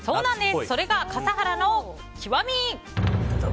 それが笠原の極み。